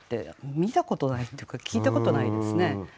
見たことないというか聞いたことないですね。